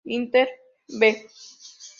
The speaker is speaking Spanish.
Inter "B"